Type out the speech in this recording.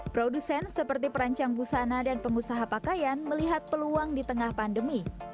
produsen seperti perancang busana dan pengusaha pakaian melihat peluang di tengah pandemi